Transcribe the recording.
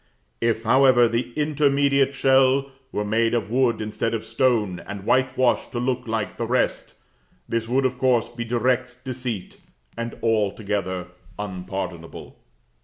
If, however, the intermediate shell were made of wood instead of stone, and whitewashed to look like the rest, this would, of course, be direct deceit, and altogether unpardonable.